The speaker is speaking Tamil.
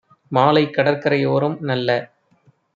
மாலைக் கடற்கரை யோரம் - நல்ல